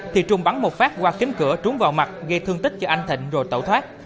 thì trùng bắn một phát qua kiếm cửa trúng vào mặt gây thương tích cho anh thịnh rồi tẩu thoát